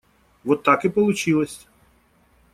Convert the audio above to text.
Вот так и получилось.